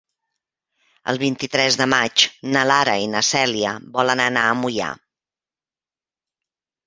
El vint-i-tres de maig na Lara i na Cèlia volen anar a Moià.